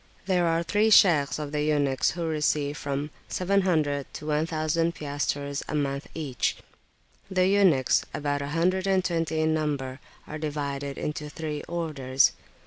There are three Shaykhs of the eunuchs who receive from 700 to 1000 piastres a month each. The eunuchs, about a hundred and twenty in number, are divided into three orders.